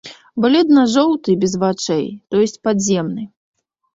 Бледна-жоўты і без вачэй, то ёсць падземны.